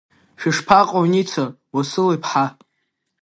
Шәышԥаҟоу, Ница Уасил-иԥҳа?